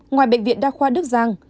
ngoài bệnh viện đa khoa đức giang